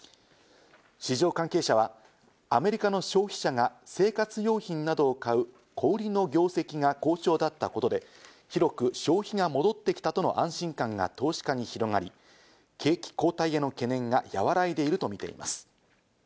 市場関係者はアメリカの消費者が生活用品などを買う小売りの業績が好調だったことで広く消費が戻ってきたとの安心感が投資家に広がり、景気後退への懸念が和らいでいるとみています。